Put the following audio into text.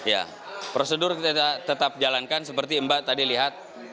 ya prosedur kita tetap jalankan seperti mbak tadi lihat